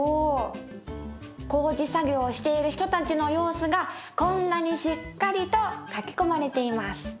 工事作業をしている人たちの様子がこんなにしっかりと描き込まれています。